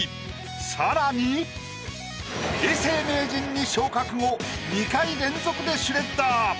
さらに永世名人に昇格後２回連続でシュレッダー。